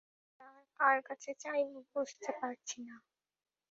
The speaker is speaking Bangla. ওকে ছাড়া আর কার কাছে চাইবো বুঝতে পারছি না।